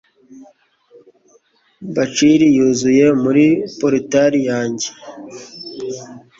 bacilli yuzuye muri portal yanjye